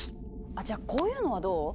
あじゃあこういうのはどう？